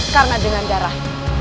karena dengan darah